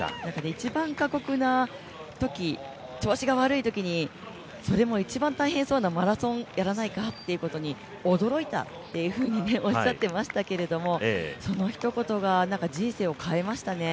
一番過酷なとき、調子が悪いときにそれも一番大変そうなマラソンをやらないかということに、驚いたというふうにおっしゃっていましたけれども、そのひと言が人生を変えましたね。